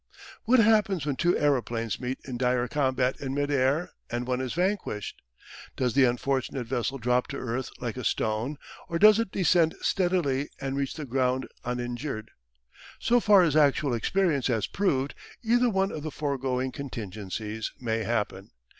What happens when two aeroplanes meet in dire combat in mid air and one is vanquished? Does the unfortunate vessel drop to earth like a stone, or does it descend steadily and reach the ground uninjured? So far as actual experience has proved, either one of the foregoing contingencies may happen.